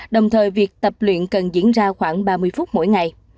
đồng thời việc tập luyện cần diễn ra khoảng ba mươi phút mỗi ngày